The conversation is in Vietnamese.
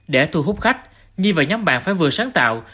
để thu hút khách nhi và nhóm bạn phải vừa sáng tạo